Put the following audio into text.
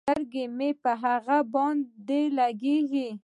سترګې مې په هغه باندې لګېږي.